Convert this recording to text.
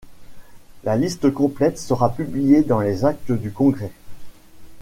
La liste complète sera publiée dans les actes du congrès.